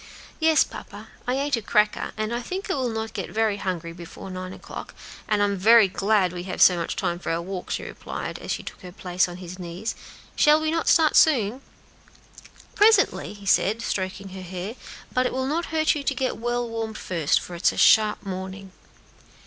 "Yes, papa, I ate a cracker, and I think I will not get very hungry before nine o'clock; and I'm very glad we have so much time for our walk," she replied, as she took her place on his knee. "Shall we not start soon?" "Presently," he said, stroking her hair; "but it will not hurt you to get well warmed first, for it is a sharp morning."